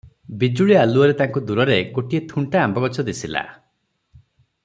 ବିଜୁଳି ଆଲୁଅରେ ତାଙ୍କୁ ଦୂରରେ ଗୋଟିଏ ଥୁଣ୍ଟା ଆମ୍ବଗଛ ଦିଶିଲା ।